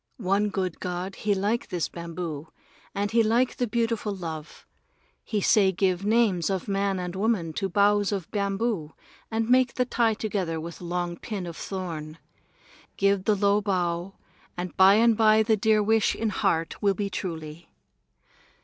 One good god he like this bamboo, and he like the beautiful love. He say give names of man and woman to boughs of bamboo and make the tie together with long pin of thorn. Give the low bow, and by and by the dear wish in heart will be truly.